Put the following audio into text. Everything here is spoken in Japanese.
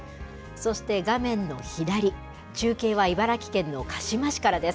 そして画面の左、中継は茨城県の鹿嶋市からです。